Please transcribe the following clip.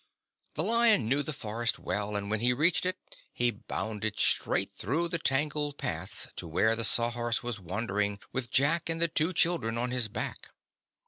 The Lion knew the forest well and when he reached it he bounded straight through the tangled paths to where the Sawhorse was wandering, with Jack and the two children on his back.